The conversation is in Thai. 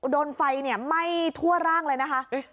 โดนไฟไหม้ทั่วร่างเลยนะคะ